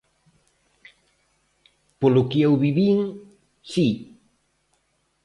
Polo que eu vivín, si.